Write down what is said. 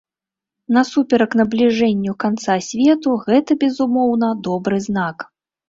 Насуперак набліжэнню канца свету, гэта, безумоўна, добры знак.